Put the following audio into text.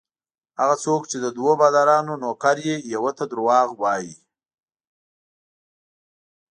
هغه څوک چې د دوو بادارانو نوکر وي یوه ته درواغ وايي.